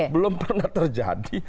belum pernah terjadi